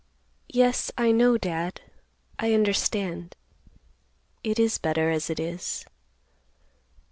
"Yes, I know, Dad. I understand. It is better as it is.